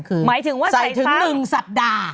คือใส่ถึง๑สัปดาห์